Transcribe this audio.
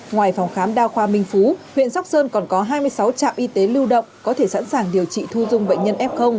ngoài phòng khám đa khoa minh phú huyện sóc sơn còn có hai mươi sáu trạm y tế lưu động có thể sẵn sàng điều trị thu dung bệnh nhân f